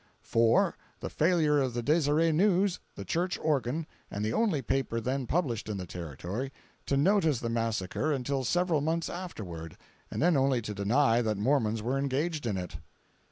"4. The failure of the Deseret News, the Church organ, and the only paper then published in the Territory, to notice the massacre until several months afterward, and then only to deny that Mormons were engaged in it.